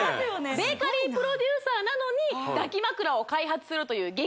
ベーカリープロデューサーなのに抱き枕を開発するという激